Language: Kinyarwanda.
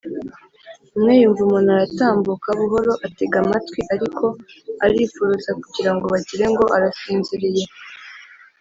umwe yumva umuntu aratambuka buhoro atega amatwi, ariko arifuruza kugirango bagirengo arasinzirirye.